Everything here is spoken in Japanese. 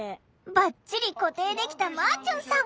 バッチリ固定できたまぁちゅんさん。